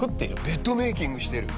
ベッドメイキングしてる？